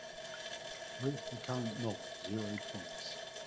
rate the current novel zero points